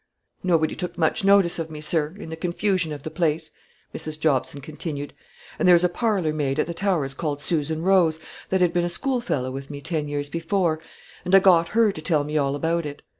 "Nobody took much notice of me, sir, in the confusion of the place," Mrs. Jobson continued; "and there is a parlour maid at the Towers called Susan Rose, that had been a schoolfellow with me ten years before, and I got her to tell me all about it.